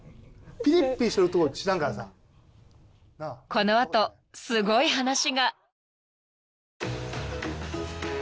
［この後すごい話が］